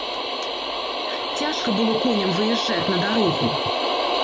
Цяжка было коням выязджаць на дарогу.